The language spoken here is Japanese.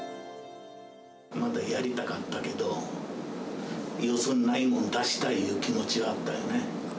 まだやりたかったけど、よそにないものを出したいっていう気持ちはあるんだよね。